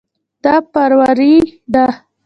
دا فراروی ده.